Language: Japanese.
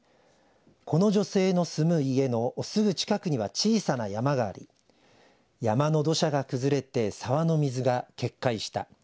この女性の住む家のすぐ近くには小さな山があり山の土砂が崩れて沢の水が決壊した。